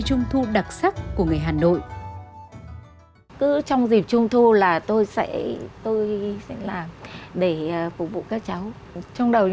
trung thu xung vầy